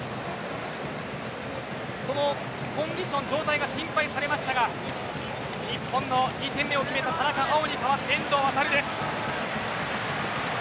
このコンディション状態が心配されましたが日本の２点目を決めた田中碧に代わって遠藤航です。